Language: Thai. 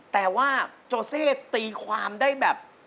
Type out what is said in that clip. แต่ว่าโจเซตีความได้แบบ